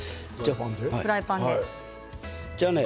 フライパンです。